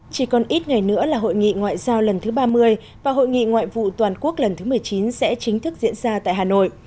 chỉ còn ít ngày nữa là hội nghị ngoại giao lần thứ ba mươi và hội nghị ngoại vụ toàn quốc lần thứ một mươi chín sẽ chính thức diễn ra tại hà nội